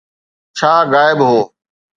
ڇا غائب هو؟